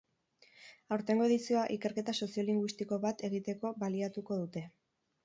Aurtengo edizioa ikerketa soziolinguistiko bat egiteko baliatuko dute.